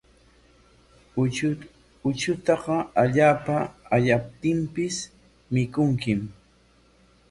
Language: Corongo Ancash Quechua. Uchutaqa allaapa ayaptinpis mikunkim.